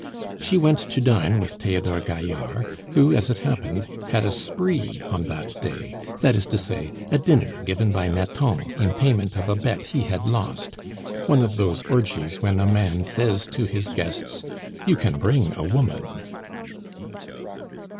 She went to dine with Theodore Gaillard, who, as it happened, had a spree on that day, that is to say, a dinner given by Nathan in payment of a bet he had lost, one of those orgies when a man says to his guests, "You can bring a woman."